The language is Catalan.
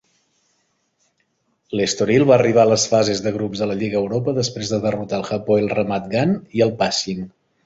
L'Estoril va arribar a les fases de grups de la Lliga Europa després de derrotar el Hapoel Ramat Gan i el Pasching.